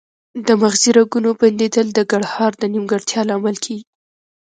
د مغزي رګونو بندیدل د ګړهار د نیمګړتیا لامل کیږي